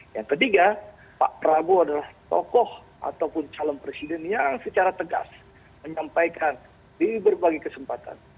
yang ketiga pak prabowo adalah tokoh ataupun calon presiden yang secara tegas menyampaikan di berbagai kesempatan